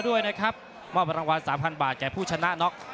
ด้วยนะครับมอบรางวัลสามพันบาทแก่ผู้ชนะน็อก